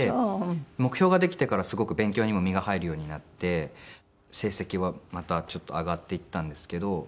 目標ができてからすごく勉強にも身が入るようになって成績はまたちょっと上がっていったんですけど。